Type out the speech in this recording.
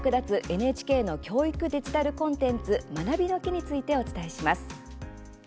ＮＨＫの教育デジタルコンテンツ「まなびの木」についてお伝えします。